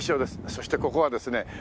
そしてここはですね